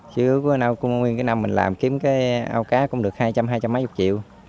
chứ nguyên cái năm mình làm kiếm cái ao cá cũng được hai trăm linh hai trăm linh mấy chục triệu